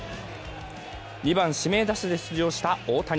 ２番・指名打者で出場した大谷。